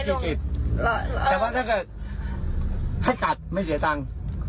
เฉพาะถ้าเกิดให้จัดไม่เสียทั้ง